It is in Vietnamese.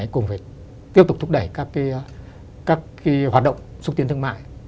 cùng với tiếp tục thúc đẩy các cái hoạt động xúc tiến thương mại